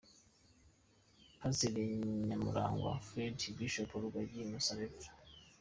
Pasiteri Nyamurangwa Fred, Bishop Rugagi Innocent, Rev.